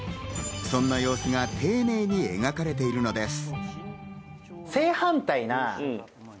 そんな様子が丁寧に描かれているのです。